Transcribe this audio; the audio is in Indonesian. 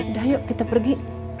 udah yuk kita pergi